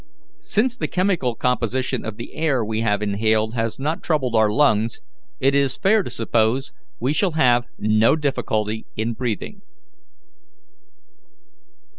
Since the chemical composition of the air we have inhaled has not troubled our lungs, it is fair to suppose we shall have no difficulty in breathing."